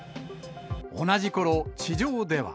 同じころ、地上では。